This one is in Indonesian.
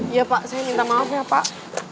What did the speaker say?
iya pak saya minta maaf ya pak